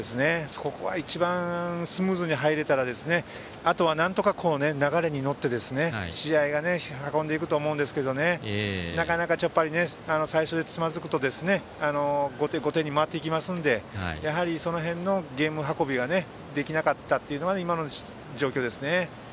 そこが一番スムーズに入れたらあとはなんとか流れに乗って試合が運んでいくと思いますがなかなか最初でつまずくと後手後手に回っていきますのでやはり、その辺のゲーム運びができなかったというのが今の状況ですね。